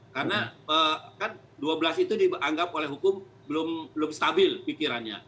karena kan dua belas itu dianggap oleh hukum belum stabil pikirannya